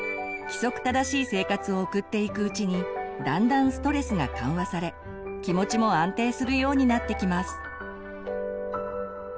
規則正しい生活を送っていくうちにだんだんストレスが緩和され気持ちも安定するようになってきます。